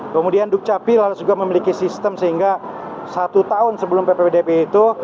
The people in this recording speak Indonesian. kemudian dukcapil juga memiliki sistem sehingga satu tahun sebelum ppwdp itu